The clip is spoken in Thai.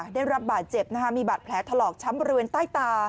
ได้รับบาดเจ็บมีบาดแผลถลอกช้ำบริเวณใต้ตา